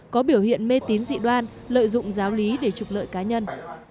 có biểu hiện mê tín dị đoan lợi dụng giáo lý để trục lợi cá nhân